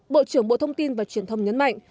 bộ trưởng bộ thông tin và truyền thông nhấn mạnh